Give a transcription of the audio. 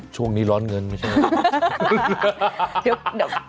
ช่วงนี้ร้อนเงินไม่ใช่